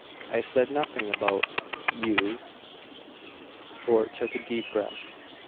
"I said nothing about you." Fort took a deep breath.